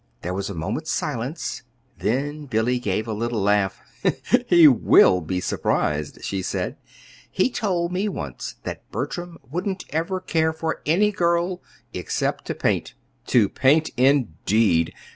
There was a moment's silence; then Billy gave a little laugh. "He will be surprised," she said. "He told me once that Bertram wouldn't ever care for any girl except to paint. To paint, indeed!